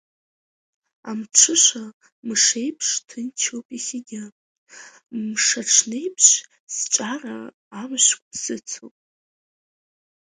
Амҽыша мыш еиԥш ҭынчроуп иахьагьы, мшаҽнеиԥш сҿара амышқәа сыцуп.